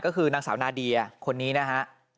ก็คือนางสาวนาเดียคนนี้นะฮะ